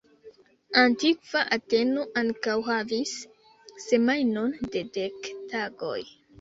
Antikva Ateno ankaŭ havis semajnon de dek tagoj.